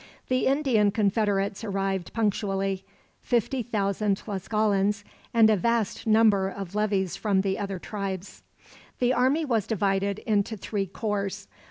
The Indian confederates arrived punctually: fifty thousand Tlascalans, and a vast number of levies from the other tribes. The army was divided into three corps.